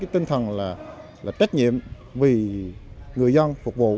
tinh thần là trách nhiệm vì người dân phục vụ